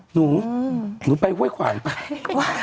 หนูหนูไปเว้ยขวายไป